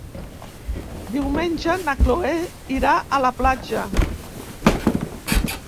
Diumenge na Chloé irà a la platja.